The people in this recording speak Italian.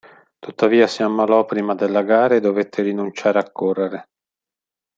Tuttavia, si ammalò prima della gara e dovette rinunciare a correre.